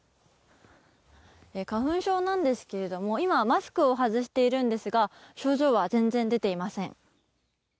花粉症なんですけれども今、マスクを外しているんですが症状は全然出ていません。